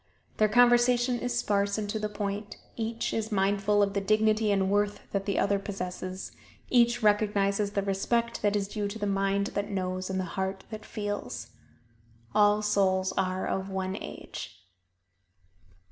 Their conversation is sparse and to the point; each is mindful of the dignity and worth that the other possesses: each recognizes the respect that is due to the mind that knows and the heart that feels. "All souls are of one age."